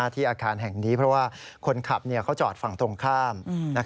ที่อาคารแห่งนี้เพราะว่าคนขับเขาจอดฝั่งตรงข้าม